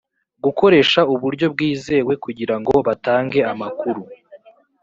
gukoresha uburyo bwizewe kugira ngo batange amakuru